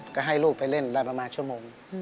ก็ให้ลูกไปเล่นได้ประมาณชั่วโมง